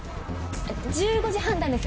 １５時判断です。